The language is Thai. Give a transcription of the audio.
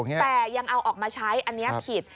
แต่ยังเอาออกมาใช้อันนี้ผิด